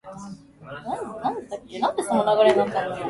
機会がたくさんあるよ